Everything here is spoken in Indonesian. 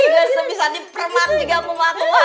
nggak bisa dipermak juga memakuan